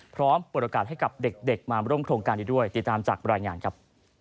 พร้อมเปิดโอกาสให้กับเด็กมาร่วมโครงการนี้ด้วยติดตามจากรายงานครับ